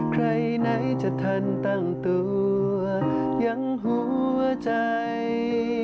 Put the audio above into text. ใครไหนจะทันตั้งตัวยังหัวใจ